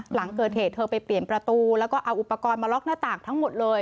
หลังเกิดเหตุเธอไปเปลี่ยนประตูแล้วก็เอาอุปกรณ์มาล็อกหน้าต่างทั้งหมดเลย